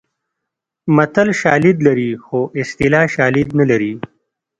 متل شالید لري خو اصطلاح شالید نه لري